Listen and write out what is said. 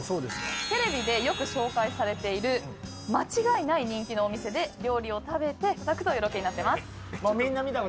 テレビでよく紹介されている間違いない人気のお店で料理を食べていただくというロケになってます。